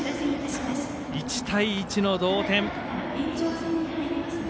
１対１の同点。